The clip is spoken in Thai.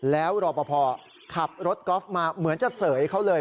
แล้วรอปภขับรถกอล์ฟมาเหมือนจะเสยเขาเลย